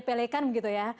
menyepelekan begitu ya